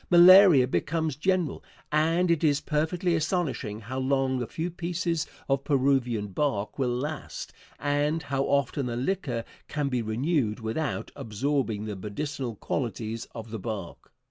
Malaria becomes general, and it is perfectly astonishing how long a few pieces of Peruvian bark will last, and how often the liquor can be renewed without absorbing the medicinal qualities of the bark.